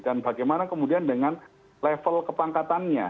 dan bagaimana kemudian dengan level kepangkatannya